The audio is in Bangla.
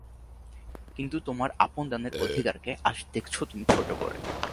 কিন্তু তোমার আপন দানের অধিকারকে আজ দেখছ তুমি ছোটো করে।